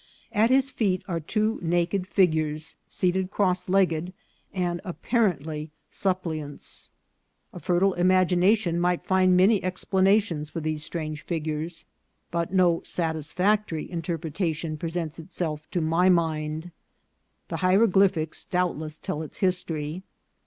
At his feet are two naked figures seated cross legged, and apparently suppliants. A fertile imagination might find many explanations for these strange figures, but no satisfactory interpretation presents itself to my mind. The hieroglyphics doubt less tell its history.